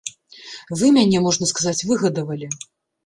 Вы мяне, можна сказаць, выгадавалі.